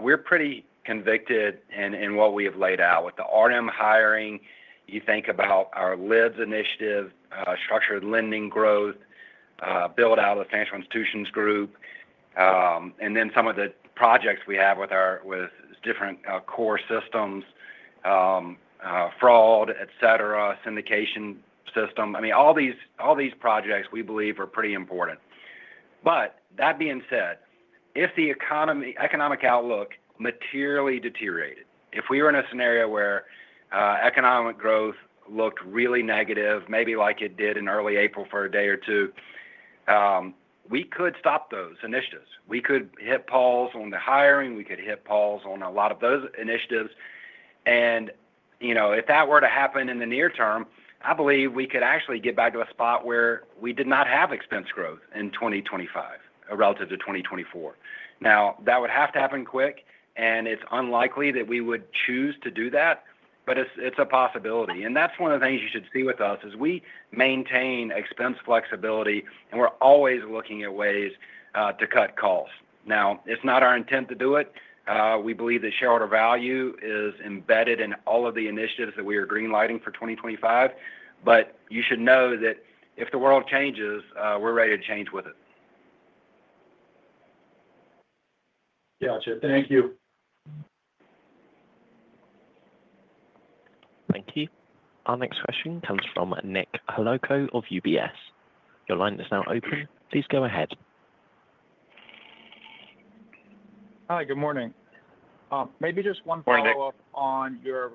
we're pretty convicted in what we have laid out with the RM hiring. You think about our LIDS initiative, structured lending growth, build out of the Financial Institutions Group, and then some of the projects we have with different core systems, fraud, etc., syndication system. I mean, all these projects we believe are pretty important. That being said, if the economic outlook materially deteriorated, if we were in a scenario where economic growth looked really negative, maybe like it did in early April for a day or two, we could stop those initiatives. We could hit pause on the hiring. We could hit pause on a lot of those initiatives. If that were to happen in the near term, I believe we could actually get back to a spot where we did not have expense growth in 2025 relative to 2024. That would have to happen quick, and it's unlikely that we would choose to do that, but it's a possibility. One of the things you should see with us is we maintain expense flexibility, and we're always looking at ways to cut costs. It's not our intent to do it. We believe that shareholder value is embedded in all of the initiatives that we are greenlighting for 2025. You should know that if the world changes, we're ready to change with it. Gotcha. Thank you. Thank you. Our next question comes from Nicholas Holowko of UBS. Your line is now open. Please go ahead. Hi. Good morning. Maybe just one follow-up on your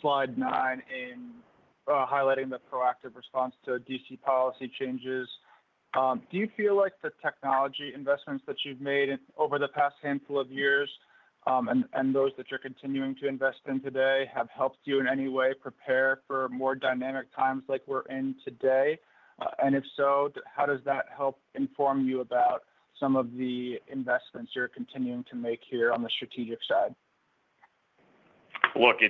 slide nine in highlighting the proactive response to D.C policy changes. Do you feel like the technology investments that you've made over the past handful of years and those that you're continuing to invest in today have helped you in any way prepare for more dynamic times like we're in today? If so, how does that help inform you about some of the investments you're continuing to make here on the strategic side? Look,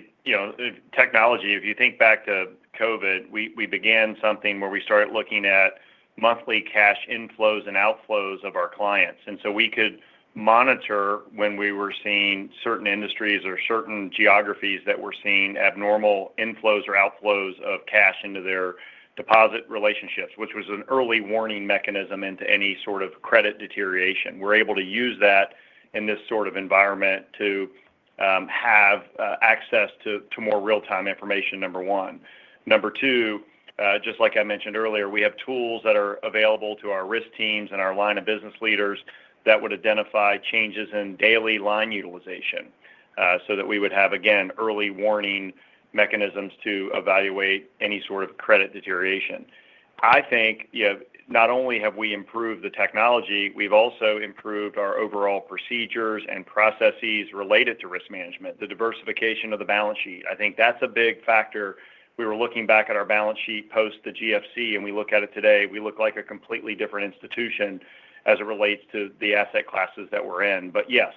technology, if you think back to COVID, we began something where we started looking at monthly cash inflows and outflows of our clients. And so we could monitor when we were seeing certain industries or certain geographies that were seeing abnormal inflows or outflows of cash into their deposit relationships, which was an early warning mechanism into any sort of credit deterioration. We are able to use that in this sort of environment to have access to more real-time information, number one. Number two, just like I mentioned earlier, we have tools that are available to our risk teams and our line of business leaders that would identify changes in daily line utilization so that we would have, again, early warning mechanisms to evaluate any sort of credit deterioration. I think not only have we improved the technology, we have also improved our overall procedures and processes related to risk management, the diversification of the balance sheet. I think that is a big factor. We were looking back at our balance sheet post the GFC, and we look at it today. We look like a completely different institution as it relates to the asset classes that we are in. Yes,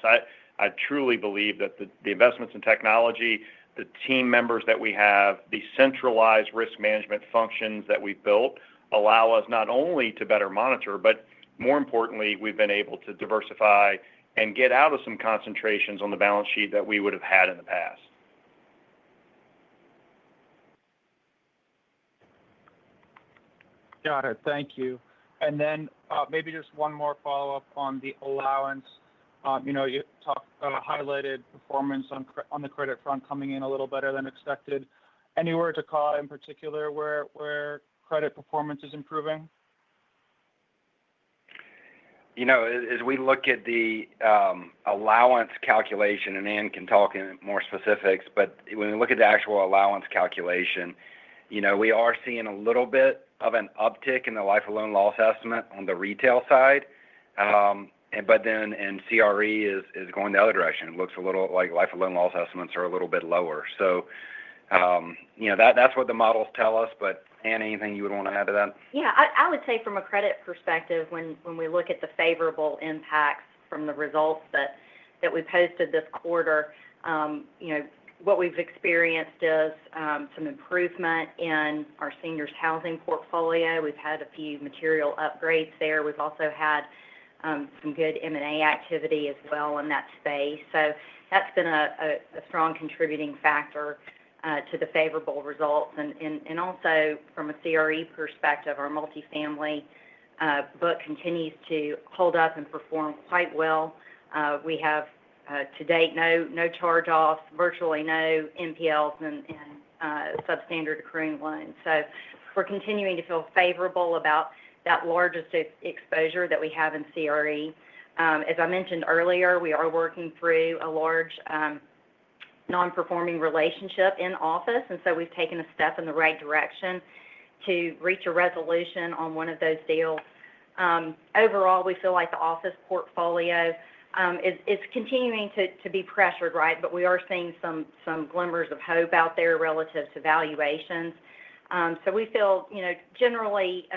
I truly believe that the investments in technology, the team members that we have, the centralized risk management functions that we have built allow us not only to better monitor, but more importantly, we have been able to diversify and get out of some concentrations on the balance sheet that we would have had in the past. Got it. Thank you. Maybe just one more follow-up on the allowance. You talked about a highlighted performance on the credit front coming in a little better than expected. Any words of color in particular where credit performance is improving? As we look at the allowance calculation, and Anne can talk in more specifics, when we look at the actual allowance calculation, we are seeing a little bit of an uptick in the life of loan loss estimate on the retail side. In CRE, it is going the other direction. It looks a little like life of loan loss estimates are a little bit lower. That is what the models tell us. Anne, anything you would want to add to that? Yeah. I would say from a credit perspective, when we look at the favorable impacts from the results that we posted this quarter, what we've experienced is some improvement in our seniors' housing portfolio. We've had a few material upgrades there. We've also had some good M&A activity as well in that space. That has been a strong contributing factor to the favorable results. Also from a CRE perspective, our multifamily book continues to hold up and perform quite well. We have to date no charge-offs, virtually no NPLs and substandard accruing loans. We are continuing to feel favorable about that largest exposure that we have in CRE. As I mentioned earlier, we are working through a large non-performing relationship in office. We have taken a step in the right direction to reach a resolution on one of those deals. Overall, we feel like the office portfolio is continuing to be pressured, right? We are seeing some glimmers of hope out there relative to valuations. We feel generally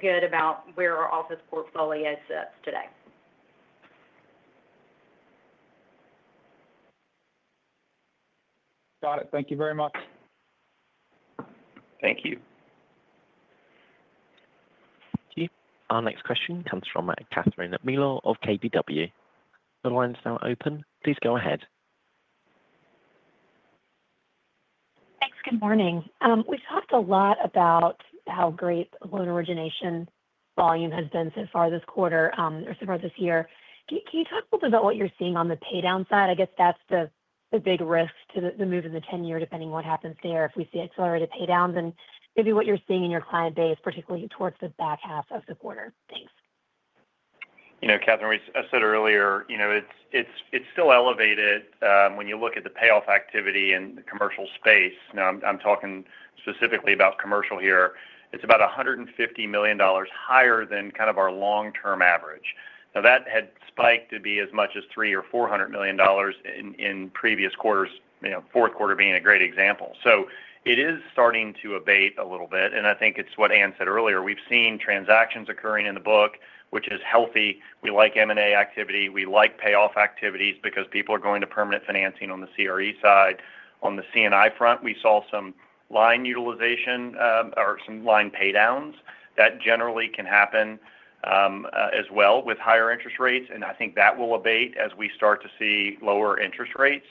good about where our office portfolio sits today. Got it. Thank you very much. Thank you. Our next question comes from Catherine Mealor of KBW. The line's now open. Please go ahead. Good morning. We've talked a lot about how great loan origination volume has been so far this quarter or so far this year. Can you talk a little bit about what you're seeing on the paydown side? I guess that's the big risk to the move in the 10-year, depending on what happens there, if we see accelerated paydowns and maybe what you're seeing in your client base, particularly towards the back half of the quarter. Catherine, I said earlier, it's still elevated when you look at the payoff activity in the commercial space. Now, I'm talking specifically about commercial here. It's about $150 million higher than kind of our long-term average. That had spiked to be as much as $300 or $400 million in previous quarters, fourth quarter being a great example. It is starting to abate a little bit. I think it's what Anne said earlier. We've seen transactions occurring in the book, which is healthy. We like M&A activity. We like payoff activities because people are going to permanent financing on the CRE side. On the C&I front, we saw some line utilization or some line paydowns that generally can happen as well with higher interest rates. I think that will abate as we start to see lower interest rates.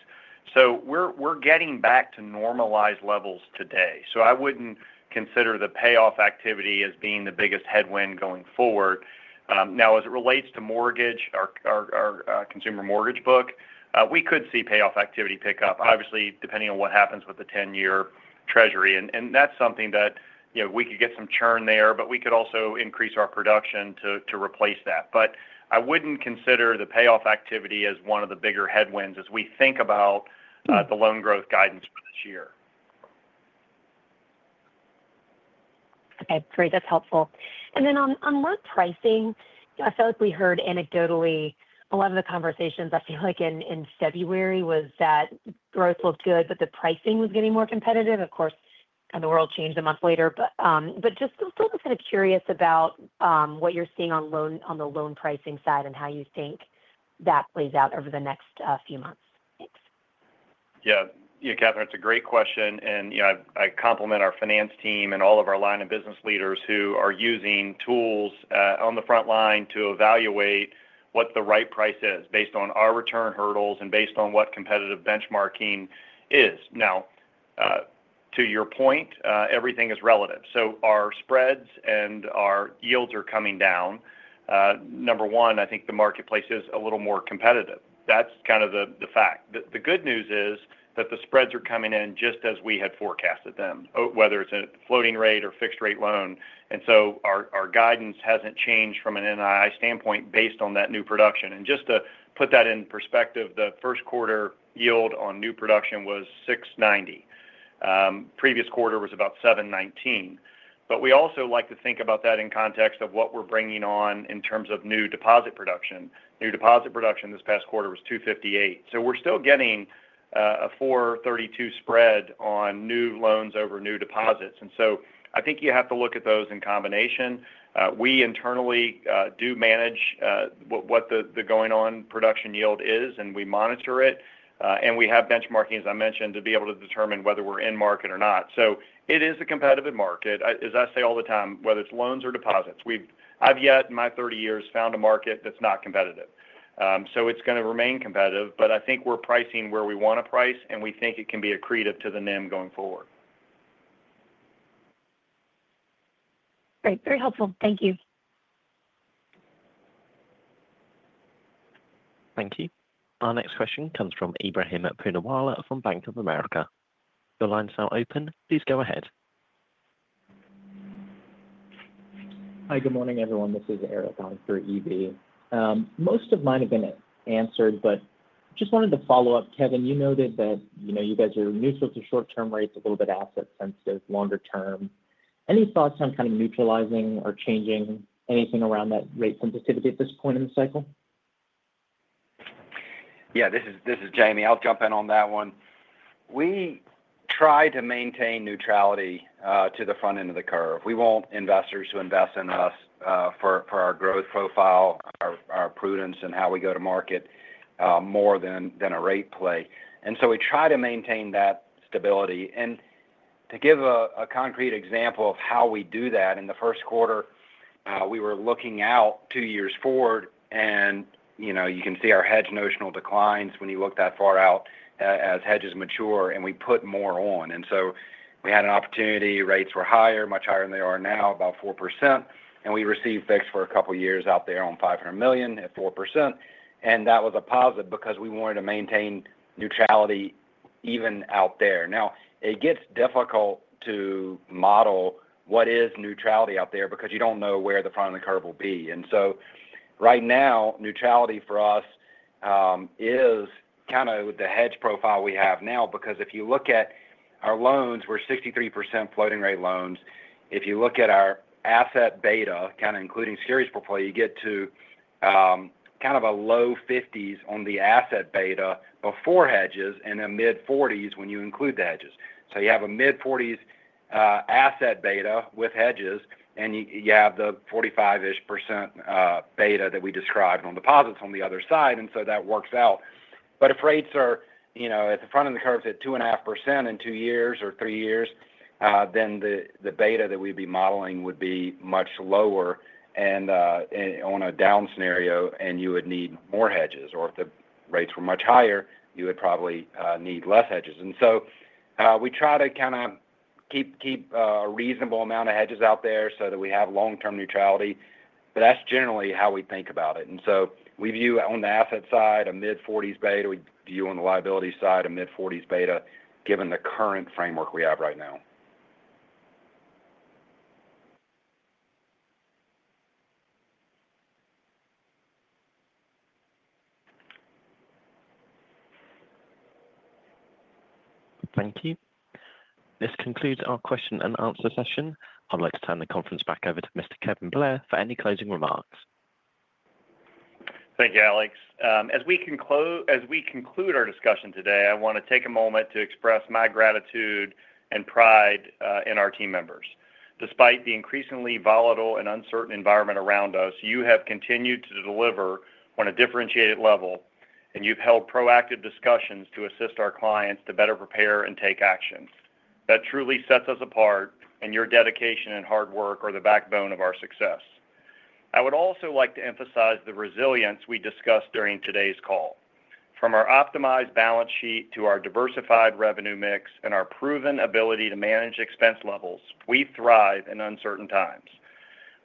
We're getting back to normalized levels today. I would not consider the payoff activity as being the biggest headwind going forward. Now, as it relates to mortgage, our consumer mortgage book, we could see payoff activity pick up, obviously, depending on what happens with the 10-year treasury. That is something that we could get some churn there, but we could also increase our production to replace that. I would not consider the payoff activity as one of the bigger headwinds as we think about the loan growth guidance for this year. Okay. Great. That's helpful. Then on loan pricing, I feel like we heard anecdotally a lot of the conversations, I feel like in February, was that growth looked good, but the pricing was getting more competitive. Of course, the world changed a month later. Just still kind of curious about what you're seeing on the loan pricing side and how you think that plays out over the next few months. Yeah. Yeah, Catherine, that's a great question. I compliment our finance team and all of our line of business leaders who are using tools on the front line to evaluate what the right price is based on our return hurdles and based on what competitive benchmarking is. To your point, everything is relative. Our spreads and our yields are coming down. Number one, I think the marketplace is a little more competitive. That's kind of the fact. The good news is that the spreads are coming in just as we had forecasted them, whether it's a floating rate or fixed-rate loan. Our guidance hasn't changed from an NII standpoint based on that new production. Just to put that in perspective, the first quarter yield on new production was 6.90. Previous quarter was about 7.19. We also like to think about that in context of what we're bringing on in terms of new deposit production. New deposit production this past quarter was 2.58. We're still getting a 4.32 spread on new loans over new deposits. I think you have to look at those in combination. We internally do manage what the going-on production yield is, and we monitor it. We have benchmarking, as I mentioned, to be able to determine whether we're in market or not. It is a competitive market. As I say all the time, whether it's loans or deposits, I've yet, in my 30 years, found a market that's not competitive. It's going to remain competitive, but I think we're pricing where we want to price, and we think it can be accretive to the NIM going forward. Great. Very helpful. Thank you. Thank you. Our next question comes from Ebrahim Punawalla from Bank of America. The line's now open. Please go ahead. Hi. Good morning, everyone. This is Eric on for EP. Most of mine have been answered, but just wanted to follow up. Kevin, you noted that you guys are neutral to short-term rates, a little bit asset-sensitive, longer-term. Any thoughts on kind of neutralizing or changing anything around that rate sensitivity at this point in the cycle? Yeah. This is Jamie. I'll jump in on that one. We try to maintain neutrality to the front end of the curve. We want investors to invest in us for our growth profile, our prudence, and how we go to market more than a rate play. We try to maintain that stability. To give a concrete example of how we do that, in the first quarter, we were looking out two years forward, and you can see our hedge notional declines when you look that far out as hedges mature, and we put more on. We had an opportunity. Rates were higher, much higher than they are now, about 4%. We received fixed for a couple of years out there on $500 million at 4%. That was a positive because we wanted to maintain neutrality even out there. Now, it gets difficult to model what is neutrality out there because you do not know where the front of the curve will be. Right now, neutrality for us is kind of with the hedge profile we have now because if you look at our loans, we are 63% floating-rate loans. If you look at our asset beta, kind of including securities portfolio, you get to kind of a low 50s on the asset beta before hedges and a mid-40s when you include the hedges. You have a mid-40s asset beta with hedges, and you have the 45-ish % beta that we described on deposits on the other side. That works out. If rates are at the front of the curve at 2.5% in two years or three years, then the beta that we'd be modeling would be much lower on a down scenario, and you would need more hedges. If the rates were much higher, you would probably need less hedges. We try to kind of keep a reasonable amount of hedges out there so that we have long-term neutrality. That's generally how we think about it. We view on the asset side a mid-40s beta. We view on the liability side a mid-40s beta given the current framework we have right now. Thank you. This concludes our question and answer session. I'd like to turn the conference back over to Mr. Kevin Blair for any closing remarks. Thank you, Alex. As we conclude our discussion today, I want to take a moment to express my gratitude and pride in our team members. Despite the increasingly volatile and uncertain environment around us, you have continued to deliver on a differentiated level, and you've held proactive discussions to assist our clients to better prepare and take action. That truly sets us apart, and your dedication and hard work are the backbone of our success. I would also like to emphasize the resilience we discussed during today's call. From our optimized balance sheet to our diversified revenue mix and our proven ability to manage expense levels, we thrive in uncertain times.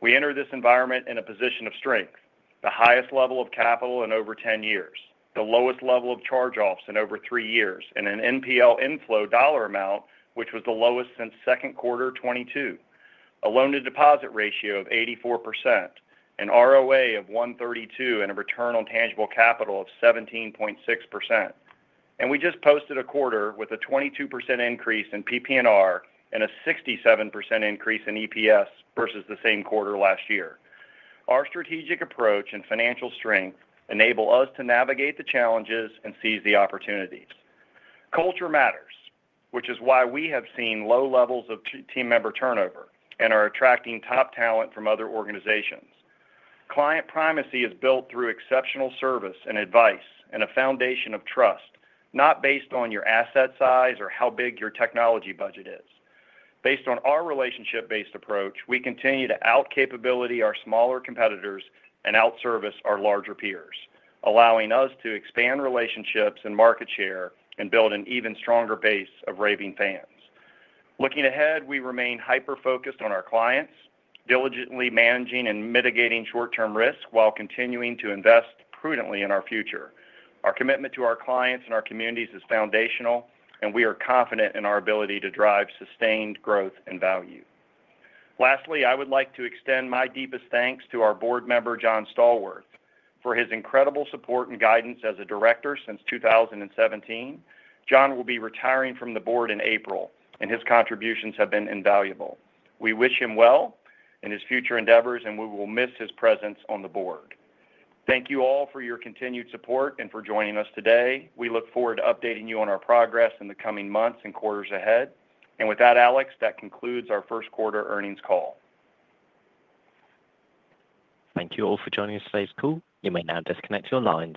We enter this environment in a position of strength: the highest level of capital in over 10 years, the lowest level of charge-offs in over three years, and an NPL inflow dollar amount, which was the lowest since second quarter 2022, a loan-to-deposit ratio of 84%, an ROA of 1.32, and a return on tangible capital of 17.6%. We just posted a quarter with a 22% increase in PP&R and a 67% increase in EPS versus the same quarter last year. Our strategic approach and financial strength enable us to navigate the challenges and seize the opportunities. Culture matters, which is why we have seen low levels of team member turnover and are attracting top talent from other organizations. Client primacy is built through exceptional service and advice and a foundation of trust, not based on your asset size or how big your technology budget is. Based on our relationship-based approach, we continue to out-capability our smaller competitors and out-service our larger peers, allowing us to expand relationships and market share and build an even stronger base of raving fans. Looking ahead, we remain hyper-focused on our clients, diligently managing and mitigating short-term risk while continuing to invest prudently in our future. Our commitment to our clients and our communities is foundational, and we are confident in our ability to drive sustained growth and value. Lastly, I would like to extend my deepest thanks to our board member, John Stallworth, for his incredible support and guidance as a director since 2017. John will be retiring from the board in April, and his contributions have been invaluable. We wish him well in his future endeavors, and we will miss his presence on the board. Thank you all for your continued support and for joining us today. We look forward to updating you on our progress in the coming months and quarters ahead. Alex, that concludes our first quarter earnings call. Thank you all for joining us today's call. You may now disconnect your lines.